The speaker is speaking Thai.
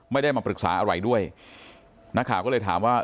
ไม่ได้มาปรึกษาอะไรด้วยนักข่าวก็เลยถามว่า